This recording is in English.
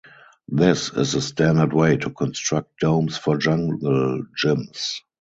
This is the standard way to construct domes for jungle gyms.